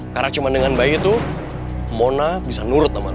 karena cuma dengan bayi itu mona bisa nurut sama lo